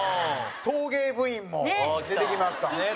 陶芸部員も出てきました。